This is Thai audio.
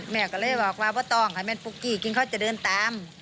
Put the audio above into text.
แม่ก็เลยบอกว่าต้องให้แม่นปุ๊กกี้กินเขาจะเดินตาม